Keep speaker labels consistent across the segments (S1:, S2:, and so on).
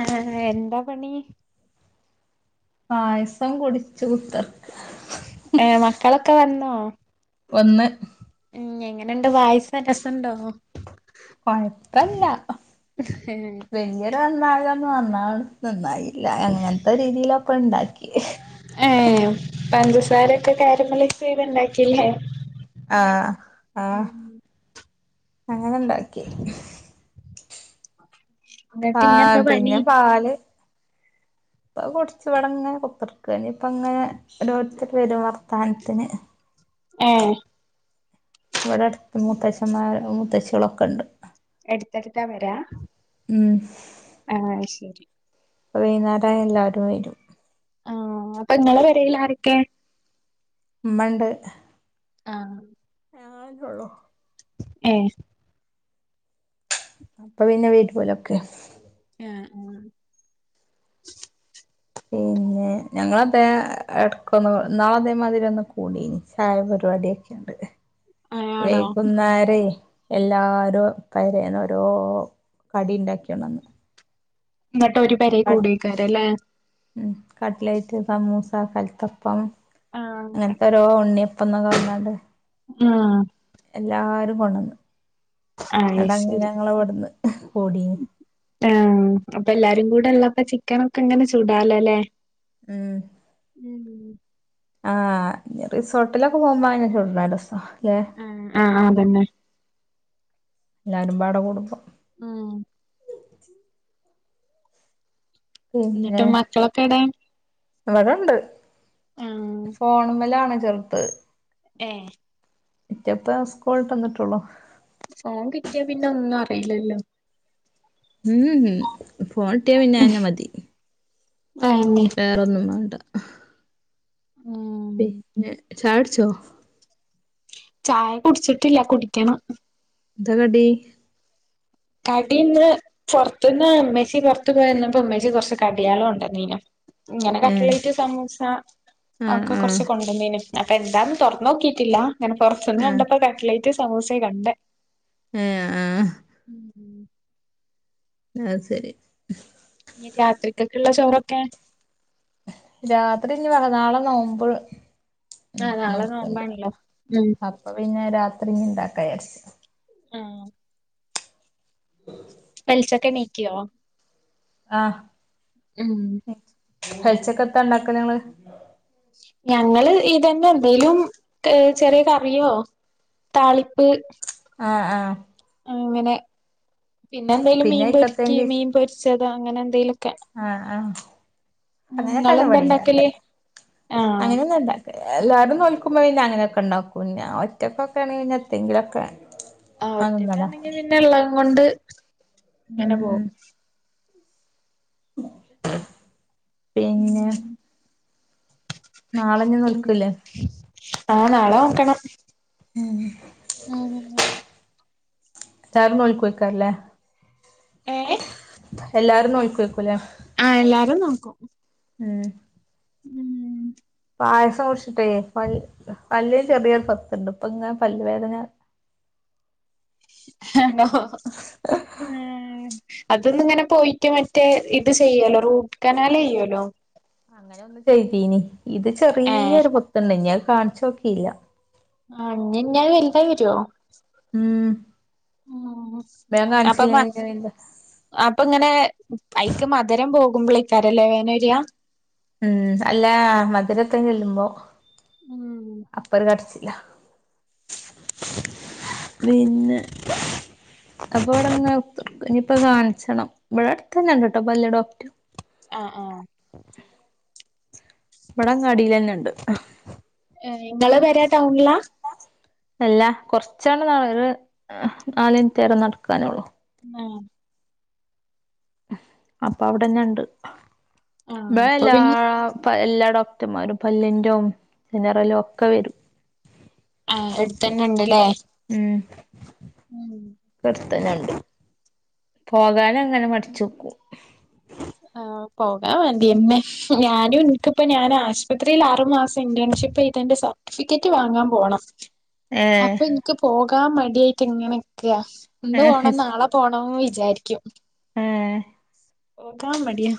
S1: ആ എന്താ പണി
S2: പായസം കുടിച്ച് കുത്തർക്ക
S1: ഏ മക്കളൊക്കെ വന്നോ
S2: വന്ന്
S1: ഉം എങ്ങനെണ്ട് പായസം രസുണ്ടോ
S2: കൊഴപ്പല്ല വല്ല്യരു നന്നാവലൊന്നും നന്നാവ്ണ് നന്നായി ഇല്ല അങ്ങനത്തെ രീതിയിലപക്കെ ഇണ്ടാക്കി
S1: ഏഹ് പഞ്ചസാരൊക്കെ ക്യാരമലയ്സ് ചെയ്ത് ഇണ്ടാക്കില്ലേ
S2: ആഹ് ആഹ്
S1: ഉം
S2: അങ്ങനെണ്ടാക്കി
S1: എന്നിട്ട്
S2: ആഹ്
S1: ഇഞ്ഞെന്താ പണി?
S2: പിന്നെ പാല് അഅ് കുട്ച്ച് ഇവ്ടെങ്ങനെ കുത്തേർക്കാ ഇപ്പ അങ്ങനെ ഓരോരുത്തർ വരും വർത്താനത്തിന്
S1: ആഹ്
S2: ഇവിടെ അടുത്ത് മൂത്തശൻമാര് മൂത്തശികളൊക്കെ ഉണ്ട്
S1: എടുത്തെടുത്താ പെരാ
S2: ഉം
S1: ആഹ് അയ്ശരി
S2: അപ്പ വൈുന്നേരം എല്ലാരും വരും
S1: ആഹ അപ്പൊ നിങ്ങളെ പെരെല് ആരൊക്കെ
S2: ഉമ്മണ്ട്
S1: ആഹ്
S2: [inaudible]
S1: ഏ
S2: അപ്പൊ പിന്നെ വീട്ട്ല്ലോലൊക്കെ
S1: ആഹ് ആ
S2: ഓ പിന്നെ ഞങ്ങള അതെ ഇടക്കൊന്ന് എന്നാള അതേമാതിരി ഒന്ന് കൂടിനി ചായപരിപാടിയൊക്കെണ്ട്
S1: ഏഹ് ആണോ
S2: വൈകുന്നേരേ എല്ലാരും പെരേൽ ഓരോ കടി ഉണ്ടാക്കിയോണ്ടന്ന്
S1: ഇന്നട്ട് ഒരു പെരേ
S2: ക
S1: കൂടേക്കാരല്ലേ?
S2: ഉം കട്ട്ലയിറ്റ് സമോസ കലത്തപ്പം
S1: ആഹ് അങ്ങനെ
S2: അങ്ങനത്തെ ഓരോ ഉണ്ണിയപ്പന്നൊക്കെ പറഞ്ഞോണ്ട്
S1: ആ
S2: എല്ലാരും കൊണ്ടന്ന് ഇന്നട്ട്
S1: അയ്ശരി
S2: ഞങ്ങളവിടുന്ന് [unintelligible]
S1: ആഹ്
S2: [unintelligible]
S1: അപ്പൊ എല്ലാരും കൂടെള്ളപ്പ ചിക്കാനൊക്കെ ഇങ്ങനെ ചൂടാലോല്ലേ
S2: ആ റിസോർട്ടിലൊക്കെ പോകുമ്പോ അങ്ങനെ ചൂട്ണാ രസം
S1: ആഹ് ആഹ് അതന്നെ
S2: എല്ലാരും പാട കൊടുക്കു
S1: ആഹ്
S2: [unintelligible]
S1: എന്നിട്ട് മക്കളൊക്കെ എടെ
S2: അടെണ്ട്
S1: ആഹ്
S2: ഫോണമ്മലാ ആണ് ചെറുത്
S1: ഏ
S2: മറ്റേപ്പം സ്‌കൂൾ വിട്ടു വന്നിട്ടുള്ളൂ
S1: ഫോൺ കിട്ടിയാ പിന്നെ ഒന്നും അറിയില്ലല്ലോ
S2: ഉം ഹ ഫോണട്ടിയ പിന്നെ അതെന്ന മതി
S1: അതന്നെ
S2: വേറൊന്നും വേണ്ട
S1: ഉം
S2: പിന്നെ ചായുടിച്ചോ
S1: ചായ കുടിച്ചിട്ടില്ല കുടിക്കണം
S2: എന്താ കടി
S1: കടി ഇന്ന് പൊറത്തുന്ന് ഇമ്മച്ചി പുറത്തു പോയിരന്നപ്പോ ഉമ്മേച്ചി കൊറച്ച് കടികള് കൊണ്ടനീനു ഇങ്ങനെ
S2: ഏഹ്
S1: കട്ട്ലേറ്റ് സമൂസ
S2: ആഹ്
S1: ഒക്കെ
S2: ആഹ്
S1: കുറച്ച് കൊണ്ടുവനീന്നു അപ്പൊ എന്താന്ന് തൊറന്നു നോക്കിട്ടില്ല ഇങ്ങനെ പുറത്തന്ന്
S2: ആഹ്
S1: കണ്ടപ്പോ കട്ട്ലേറ്റ് സമോസയും കണ്ടേ
S2: ഏഹ് ആഹ്
S1: ഉം ഹ
S2: അത് ശരി
S1: രാത്രിക്കൊക്കെള്ള ചോറൊക്കെ
S2: രാത്രി ഇനി വളനാളെ നോമ്പ്
S1: ആഹ് നാളെ
S2: നോക്കണ്ട
S1: നോമ്പാണല്ലോ ഉം
S2: അപ്പ പിന്നെ രാത്രി ഇനി ഇണ്ടാക വിചാരിച്ച്
S1: ആഹ
S2: ഉ
S1: ഉച്ചക്കെണിക്കോ
S2: ആഹ്
S1: ഉം
S2: കരിച്ചൊക്കെ എന്താ ഉണ്ടാക്ക നിങ്ങള്
S1: ഞങ്ങള് ഇതന്നെ എന്തെേലും ചെറിയ കറിയോ താളിപ്പ്
S2: ആഹ ആഹ
S1: അങ്ങനെ പിന്നെ എന്തേലും
S2: പിന്നെ
S1: മീൻ പൊരിക്കി
S2: അയ്ക്കെത്തേങ്കി
S1: മീൻ പൊരിച്ചത് അങ്ങനെ എന്തേലുംമൊക്കെ
S2: അങ്ങനെ കഴപടി ഉണ്ടാക്കല്
S1: ആഹ്
S2: അങ്ങനെയ തന്ന ഇണ്ടാക്കല് എല്ലാരും നോൽക്കും അ പിന്നെ അങ്ങനൊക്കെ ഉണ്ടാക്കും ഞാൻ ഒറ്റക്കെണെങ്കി പിന്നെ എന്തെങ്കിലൊക്ക
S1: ആ ഒറ്റക്കാണെങ്കി പിന്നെ ഉള്ളം കൊണ്ട് അങ്ങനെ
S2: ഉം
S1: പോ
S2: ഉം പിന്നെ നാളെഞ്ഞ
S1: ഉം
S2: നൽക്കലേ
S1: ആഹ് നാളെ നോക്കണം
S2: സാർണോലിക്ക്ോയ്ക്കാറില്ലേ
S1: ഏ
S2: എല്ലാരും നോക്ക വക്കൂല്ലേ
S1: ആഹ എല്ലാരും നോക്കും
S2: ഉം
S1: ഉം
S2: പായസം കുടിച്ചിട്ടേ വല്ല് ചെറിയൊരു ഭത്തുണ്ട് ഇപ്പൊ ഇങ്ങനെ പല്ല്ുവേദന
S1: ഹലോ ഉം അതൊന്ന ഇങ്ങനെ പോയിട്ട് മറ്റേ ഇത് ചെയ്യല്ലോ റൂട്ട് കനാൽ ചെയ്യല്ലോ
S2: അങ്ങനെ ഒന്ന് ചെയ്തീനി ഇത്
S1: ഏഹ്
S2: ചെറിയൊരു പുത്തണ്ട ഞാൻ കാണിച്ചോക്കില്ല
S1: ആ ഞാൻ വലുതാ വരുവോ
S2: മം
S1: അപ്പൊ അപ്പൊ ഇങ്ങനെ അഐക്ക് മധുരം പോകുമ്പോളിക്കാരല്ലേ വേന വര്യാ
S2: ഉം അല്ല മ ഇതിരെത്ത ചെല്ലുമ്പോ അപ്പര് കടിച്ചില്ല പിന്നെ അപ്പൊ ഇവിടെ നി ഇനിയിപ്പൊ കാണിച്ചണം ഇവിടെ അടുത്ത് തന്നെ ഇണ്ട് കേട്ടോ പല് ഡോക്റ്റ
S1: ആഹ് ആഹ്
S2: ഇവിടങ്ങാടിൽന്നെ ഉണ്ട്
S1: നിങ്ങള് വരാ ടൗണിലാ
S2: അല്ല കുറച്ചോണം ന നാലിനത്തരെ നടക്കാന ഉള്ളു
S1: ആഹ
S2: അപ്പൊ അവിടെന്നെ ഉണ്ട്
S1: ആഹ് അപ്പൊ
S2: വേല
S1: പിന്നെ
S2: എല്ലാ ഡോക്ടർമാരും പല്ലിറോ ചെനറലോ ഒക്കെ വരും
S1: ആഹ് എടുത്ത തന്നെ ഉണ്ടല്ലേ ഉം
S2: കർത്തനുണ്ട് പോകാനും അങ്ങനെ മടിച്ചു വെക്കും
S1: ആ പോകാൻ മതിന്നെ ഞാനും ഇനിക്കിപ്പ ഞാൻ ആശുപത്രിയിൽ അറുമാസം ഇ ഇപ്പൊ ഇതിന്റെ സർട്ടിഫിക്കറ്റ് വാങ്ങാൻ പോണം
S2: ഏ
S1: അപ്പൊ എനിക്ക് പോകാൻ മടായിട്ട് എങ്ങനെയക്കെയ ഉണ്ട് പോണം നാളെ പോണം വിചാരിക്കും
S2: ആഹ
S1: ഓ കാ മടിയ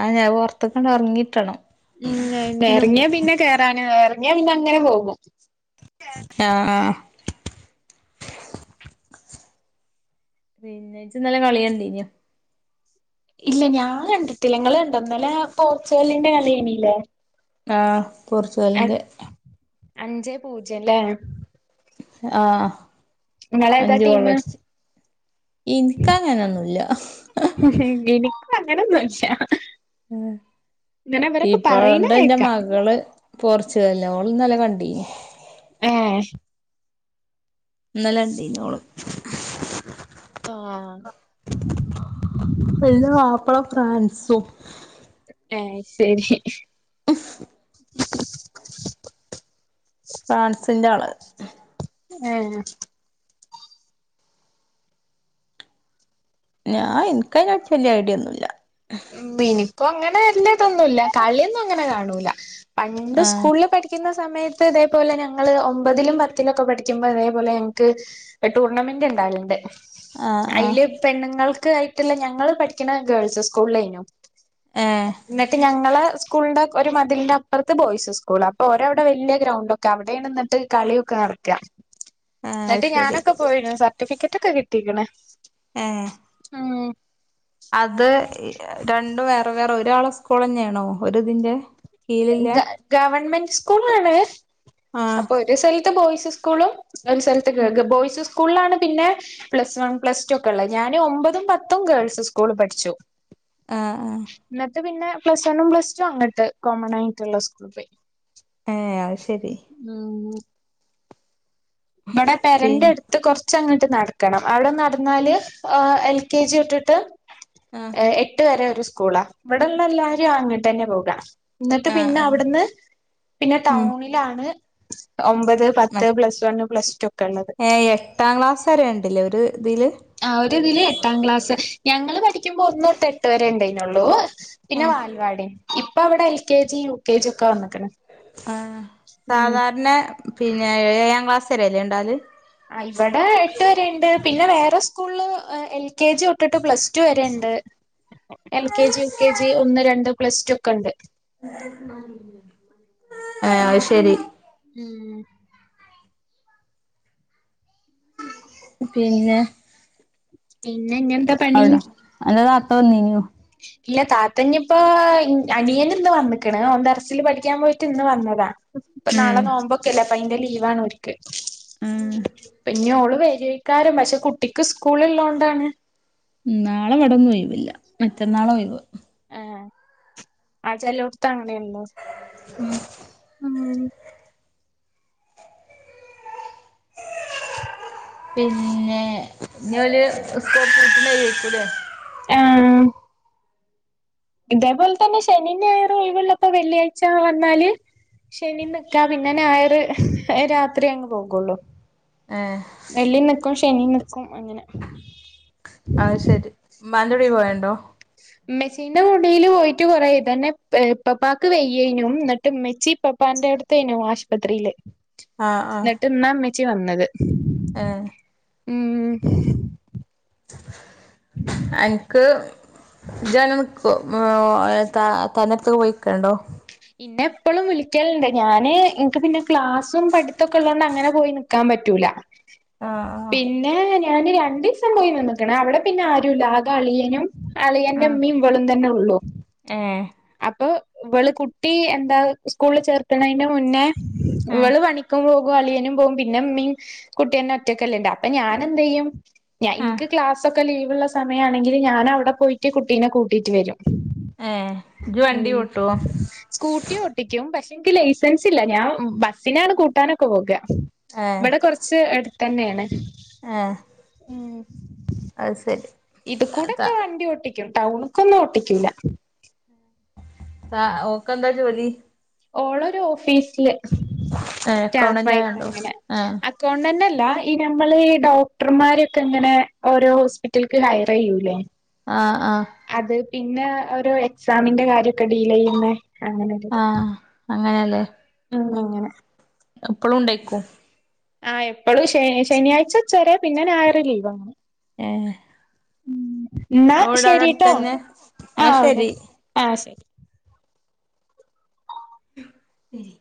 S2: ആഹ് ഞാൻ പുറത്തക്കണ്ട് ഇറങ്ങിട്ടാണ്
S1: ഉ നിറങ്ങിയാ പിന്നെ കേറാാന് നിറങ്ങിയാ പിന്നെ അങ്ങനെ പോകുമോ
S2: ആഹ പിന്നേച്ച ഇന്നല്ല കളിയണ്ട് ഇഞ്ഞ
S1: ഇല്ല ഞാൻ കണ്ടട്ടലങ്ങള്ൾ കണ്ട ഒന്നല പോർച്ചുഗലിന്റെ കലയണല്ലേ
S2: ആഹ് പോർച്ചുഗലിന്റെ
S1: അഞ്ച് പൂജ്യംല്ലേ
S2: ആഹ
S1: മള ഇതാ ടീം
S2: എനിക്കങ്ങനൊന്നുമല്ല
S1: എനിക്ക അങ്ങനെന്നോച്ചാ
S2: മ്
S1: പറയണ
S2: ഇപ്പഴണ്ട് എന്റെ
S1: കേക്കാം
S2: മകള് പോർച്ചുഗൽ ഓള്ന്നല്ലേ കണ്ടീനി
S1: ആഹ്
S2: ഇന്നലെ ണ്ടിന്നോള്
S1: ആഹ്
S2: ഫ്രാന്‍സു
S1: ആഹ് ശരി
S2: ഫ്രാൻസിന്റെ ആള്
S1: ങ്ങെ
S2: ഞാൻ എനിക്ക്തിനറ്റി വലിയ ഐഡിയ ഒന്നുമില്ല
S1: മ് എനിക്കും അങ്ങനെ വല്ലതൊന്നുമില്ല കളിയൊന്നും അങ്ങനെ കാണൂല പണ്ട്
S2: ആഹ്
S1: സ്കൂളിൽ പഠിക്കുന്ന സ സമയത്ത് ഇതേപോല ഞങ്ങള് ഒമ്പതിലും പത്തിലും ഒക്കെ പഠിക്കുമ്പോ അതേപോലെ ഞങ്ങക്ക് ടൂർണമെന്റ് ഉ ണ്ടറ്ണ്ട്
S2: ആഹ് ആഹ്
S1: അയില് പെണ്ണുങ്ങൾക്ക് ആയിട്ടില്ല ഞങ്ങള് പഠിക്കണ ഗേൾസ് സ്കൂളിലായിനു
S2: ഏഹ് ഏഹ്
S1: എന്നിട്ട് ഞങ്ങള് സ്കു സ്കൂളിന്റെ ഒരു മതിലിന്റെ അപ്പറത്ത് ബോയ്സ് സ്കൂള് അപ്പൊ ഓരവിടെ വലിയ ഗ്രൗണ്ട് ഒക്കെ അവിടെ നിന്നിട്ട് കളിയൊക്കെ നടക്ക എന്നിട്ട്
S2: അത് ശരി
S1: ഞാനൊക്കെ പോയിനു സർട്ടിഫിക്കറ്റ്ഒക്കെ കിട്ടിക്കണ്
S2: ആഹ്
S1: ഉം
S2: അത് രണ്ടു വേറെ വേറെ ഒരാളെ സ്കൂൾ തന്നെയാണോ ഒരിതിന്റെ കീഴിലില്ലേ
S1: ഗ ഗവൺമെന്റ് സ്കൂളാണ്
S2: ആഹ്
S1: അപ്പൊ ഒരു സ്ഥലത്ത് ബോയ്സ് സ്കൂളും ഒര് സ്ഥലത്ത്‌ ഗഗ ബോയ്സ് സ്കൂളാണ് പിന്നെ പ്ലസ് വൺ പ്ലസ് ടു ഒക്കെ ഉള്ളത് ഞാന് ഒമ്പതും പത്തും ഗേൾസ് സ്കൂള് പഠിച്ചു
S2: ആഹ് ആഹ്
S1: ത് പിന്നെ പ്ലസ് വണ്ണും പ്ലസ് ടും അങ്ങോട്ട് കോമണായിട്ടുള്ള സ്കൂളിൽ പോയി
S2: ഏ
S1: ആഹ് ഇവിടെ
S2: പി
S1: പെരന്റെടുത്ത് കൊറച്ചങ്ങ നടക്കണം അവിടെ നടന്നാല് അഹ് എൽ കെ ജി വിട്ടിട്ട്
S2: ആഹ്
S1: എട്ട് വരെ ഒരു സ്കൂളാ ഇവിടെയുള്ള എല്ലാരും അങ്ങോട്ട് തന്നെ പോക എന്നിട്ട്
S2: ആഹ്
S1: പിന്നെ
S2: ആഹ്
S1: അവിടുന്ന് പിന്നെ
S2: ഉം
S1: ടൗണിലാണ് ഒമ്പത് പത്ത് പ്ലസ് വൺ പ്ലസ് ടു ഒക്കെ ഉള്ളത്
S2: ഏ എട്ടാം ക്ലാസ് വരെ ഉണ്ടില്ലേ ഒരു ഇതില്
S1: ആ ഒരുതില് എട്ടാം ക്ലാസ് ഞങ്ങള് പഠിക്കുമ്പോ ഒന്നൊട്ട് എട്ട് വരെ ഉണ്ടന്നുള്ളൂ പിന്നെ
S2: ആഹ്
S1: വാൽവാടി ഇപ്പൊ അവിടെ L K G U K G ഒക്കെ വന്നിക്കണ്
S2: ആ സാധാരണ പിന്നെ ഏഴാം ക്ലാസ് വരെല്ലേ ഉണ്ടാല്
S1: അഹ് ഇവിടെ എട്ട് വരെ ഉണ്ട് പിന്നെ വേറെ സ്കൂളില് എൽ കെ ജി ഒട്ടിട്ട് പ്ലസ്ടു വരെയുണ്ട് L K G U K G ഒന്ന് രണ്ട് പ്ലസ് ടു ഒക്കെ ഉണ്ട്
S2: ആഹ് ശരി
S1: ഉം
S2: പിന്നെ
S1: പിന്നെ ഇന്നെന്താ പണി
S2: ആന്നീനൂ
S1: ഇല്ല താത്തഞ്ഞിപ്പോ അനിയൻ ഇന്ന് വന്നിക്കണ് ഓന്തറസില് പഠിക്കാൻ പോയിട്ട് ഇന്ന് വന്നതാ പ്പ
S2: ഉം
S1: നാളെ നോമ്പോക്കെല്ലേ അപ്പ അതിന്റെ ലീവാണ്ഓര്ക്ക് ഇപ്പ ഇനിയോള് വരിക്കാരൻ പക്ഷെ കുട്ടിക്ക് സ്കൂള് ഉള്ളോണ്ടാണ്
S2: നാളെ ഇവിടൊന്നും ഒയിവില്ല മറ്റന്നാള ഒയിവ്
S1: ആ ആ ചിലവത്തങ്ങണള്ളോ ഉ
S2: പിന്നെ ഇന്നല്സ്ക വീട്ടിന്നക്കൂല്ലേ
S1: ആഹ ഇതേപോലെ തന്നെ ശനിന്റെ യറ ഒഴവള്ളപ്പോ വെള്ളിയാഴ്ച വന്നാല് ശനി നക്കാ പിന്നെ ഞായർ രാത്രി അങ്ങ് പോകുള്ളു
S2: ഏ
S1: ശനി നിൽക്കും അങ്ങനെ
S2: അത് ശെരി മാന്ാനവാടി പോയണ്ടോ
S1: മെച്ചീന്റെ മുടിൽ പോയിട്ട് കുറതന്നെ പപ്പാക്ക് വെയ്യേനും എന്നിട്ട് മെച്ചി പപ്പാന്റെ ടുത്തനു ആശുപത്രിയില് എന്നിട്ട്ന്ന അമ്മച്ച വന്നത്
S2: ആഹ
S1: ഉം
S2: എനിക്ക് ജനം തന്നടുത്തൊ പോയിക്കണ്ടോ
S1: പിന്നെ എപ്പോളും വിളിക്കലുണ്ട് ഞാന് എനക്ക് പിന്നെ ക്ലാസ്സും പഠിത്തൊക്കെ ഉള്ളോൊണ്ട് അങ്ങനെ പോയി നക്കാൻ പറ്റൂല
S2: ആഹ ആ
S1: പിന്നെ ഞാന് രണ്ട ദിവസം പോയി നിന്നക്കണ അവിടെ പിന്നെ ആരുുംല്ല ആ കളിയനും അളിയറെ
S2: ആഹ്
S1: അമ്മയും വളം തന്നെ ഉള്ളു
S2: ആഹ് ഏഹ്
S1: അപ്പൊ ഇവള് കുട്ടി എന്താ സ്കൂളിൽ ചേർക്കണതിന്റെ മുന്നേ
S2: ആഹ്
S1: ഇവള് പണിക്കുമ്പോ അളിയനും പോകും പിന്നെ മീൻ കുട്ടിയന്നെ ഒറ്റക്കല്ലുണ്ട് അപ്പ ഞാനെന്തന്ത് ചെയ്യും ഞൻ
S2: ആഹ്
S1: എനിക്ക് ക്ലാസ്സൊക്കെ ലീവ്ള്ള സമയ ആണെങ്കിൽ ഞാൻ അവിടെ പോയിട്ട് കുട്ടീനെ കൂട്ടിട്ട് വരും
S2: ആഹ
S1: ഉം സ്കൂട്ടി ഓട്ടിക്കും. പഷ് എനിക്ക് ലൈസൻസ് ഇല്ല ഞാൻ ബസ്സിനാണ് കൂട്ടാനൊക്കെ പോക ഇവിടെ കൊറച്ച് എട് തന്നെയാണെ
S2: ആഹ് അത് സെരി
S1: ഇത് കൂടെക്കെ വണ്ടി ഓട്ടിക്കും ടൗണ്ക്കൊന്നും ഓട്ടിക്കൂല്ല
S2: ആഹ് ഓകെന്താ ജോലി
S1: ഓളരു ഓഫീസില്
S2: ഏഹ്
S1: സ്റ്റാഫയിട്ട്
S2: അക്കൗണ്ടന്റായോണ്ടോ
S1: അങ്ങനെ
S2: ആഹ്
S1: അക്കൗണ്ട ല്ല ഈ ഞ്മ്മൾ ഈ ഡോക്ടർമാരക്കെ ഇങ്ങനെ ഓരോ ഹോസ്പിറ്റലക്ക് ഹയറെയ്യൂലേ
S2: ആഹ് ആഹ്
S1: അത് പിന്നെ ഒരു എക്സാമിന്റെ കാര്യൊക്കെ ഡീല്ലെയ്യുന്നേ അങ്ങനൊരിത്
S2: ആഹ്
S1: [unintelligible] ങ്ങനെ
S2: എപ്പളും ഉണ്ടെക്കും
S1: ആഹ് എപ്പളും ശ ശനിയാ്ച ച്ചുച്ചറേ പിന്നെ ഞായറ് ലീവ
S2: ഏഹ്
S1: ഇന്നാ
S2: അവടെ അവടെ
S1: ശരിട്ടോ
S2: അടുത്തന്നെ ന്നാ
S1: ആഹ്
S2: ശരി
S1: ആഹ് ശര്
S2: [unintelligible] എരി